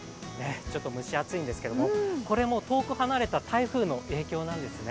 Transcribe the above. ちょっと蒸し暑いんですけども、これも遠く離れた台風の影響なんですね。